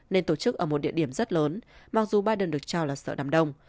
nên tổ chức ở một địa điểm rất lớn mặc dù biden được cho là sợ đám đông